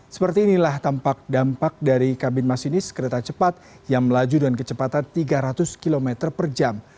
seperti inilah tampak dampak dari kabin masinis kereta cepat yang melaju dengan kecepatan tiga ratus km per jam